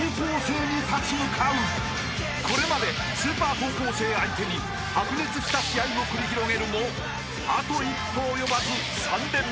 ［これまでスーパー高校生相手に白熱した試合を繰り広げるもあと一歩及ばず３連敗］